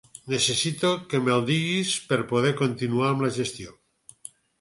Necessito que me'l diguis per poder continuar amb la gestió.